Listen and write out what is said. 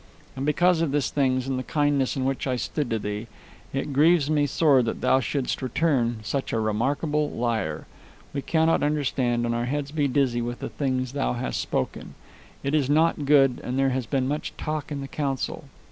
And because of these things, and the kindness in which I stood to thee, it grieves me sore that thou shouldst return such a remarkable liar. We cannot understand, and our heads be dizzy with the things thou hast spoken. It is not good, and there has been much talk in the council.